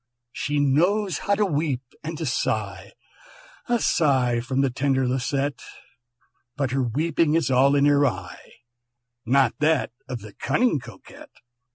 "She knows how to weep and to sigh," (A sigh from the tender Lisette), "But her weeping is all in my eye, Not that of the cunning Coquette!